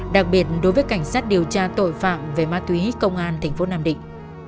đặc biệt đối với cảnh sát điều tra tội phạm về ma túy công an tỉnh phố nam định